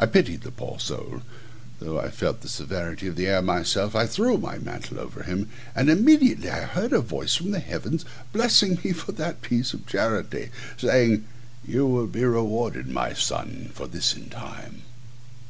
I pitied the poor soul: though I felt the severity of the air myself, I threw my mantle over him, and immediately I heard a voice from the heavens, blessing me for that piece of charity, saying "You will be rewarded, my son, for this in time."